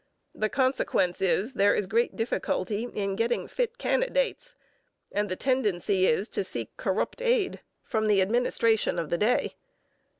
The consequence is there is great difficulty in getting fit candidates, and the tendency is to seek corrupt aid from the administration of the day.